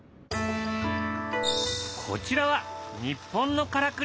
こちらは日本のからくり。